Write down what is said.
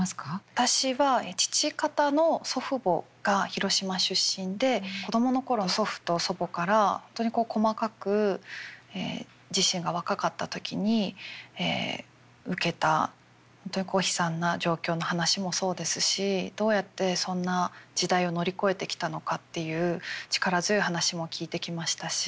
私は父方の祖父母が広島出身で子供の頃祖父と祖母から本当にこう細かく自身が若かった時に受けた本当にこう悲惨な状況の話もそうですしどうやってそんな時代を乗り越えてきたのかっていう力強い話も聞いてきましたし。